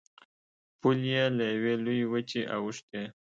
پولې یې له یوې لویې وچې اوښتې.